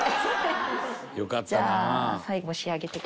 「よかったなあ」